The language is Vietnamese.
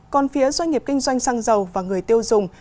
còn phía doanh nghiệp kinh doanh xăng dầu và người tiêu dùng